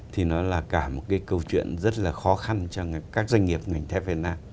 thì nó là cả một cái câu chuyện rất là khó khăn cho các doanh nghiệp ngành thép việt nam